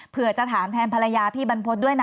เพื่อจะถามแทนภรรยาพี่บรรพฤษด้วยนะ